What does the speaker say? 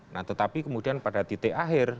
nah tetapi kemudian pada titik akhir